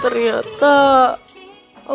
berenggan gak ya